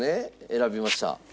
選びました。